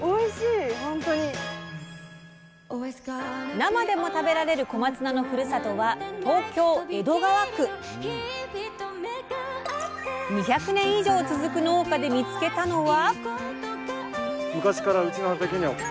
生でも食べられる小松菜のふるさとは２００年以上続く農家で見つけたのは。